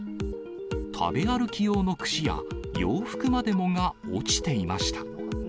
食べ歩き用の串や、洋服までもが落ちていました。